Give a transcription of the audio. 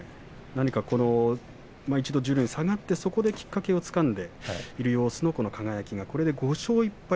一度、十両に下がってそこできっかけをつかんだという輝が、これで５勝１敗。